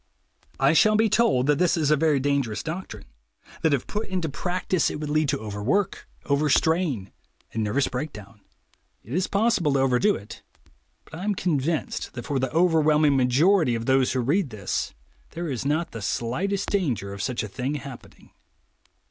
I shall be told that this is a very dangerous doctrine, that if put into practice it would lead to 152 THE WAY TO WILL POWER overwork, overstrain, and nervous breakdown. It is possible to overdo it; but I am convinced that for the overwhelming majority of those who read this, there is not the slightest danger of such a thing happening.